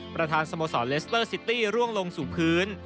ประธานสโมสรเลสเตอร์ซิตี้ร่วงลงสู่พื้น